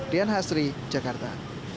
rian hasri jakarta